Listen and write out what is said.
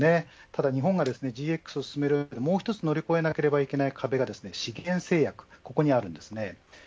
ただ日本がＧＸを進める上でもう一つ乗り越えなければいけない壁が資源制約にあります。